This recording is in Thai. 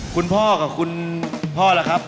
คุณพ่อกับคุณพ่อล่ะครับ